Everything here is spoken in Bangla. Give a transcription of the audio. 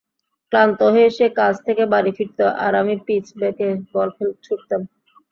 ক্লান্ত হয়ে সে কাজ থেকে বাড়ি ফিরতো, আর আমি পিচ ব্যাকে বল ছুড়তাম।